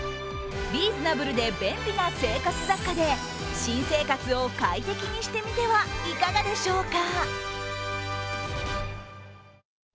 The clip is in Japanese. リーズナブルで便利な生活雑貨で新生活を快適にしてみてはいかがでしょうか。